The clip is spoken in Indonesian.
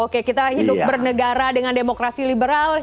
oke kita hidup bernegara dengan demokrasi liberal